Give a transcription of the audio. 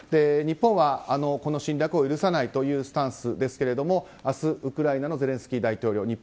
日本はこの侵略を許さないというスタンスですが明日、ウクライナのゼレンスキー大統領